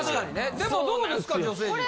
でもどうですか女性陣。